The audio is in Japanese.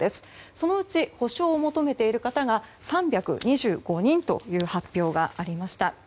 そのうち、補償を求めている方が３２５人という発表がありました。